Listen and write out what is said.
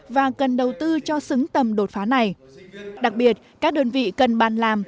và cần đầu tư cho xứng tầm đột phá này đặc biệt các đơn vị cần bàn làm